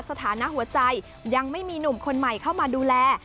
สถานะหัวใจยังไม่มีหนุ่มคนใหม่เข้ามาดูแล